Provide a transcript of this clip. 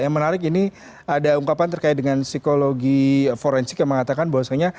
yang menarik ini ada ungkapan terkait dengan psikologi forensik yang mengatakan bahwasannya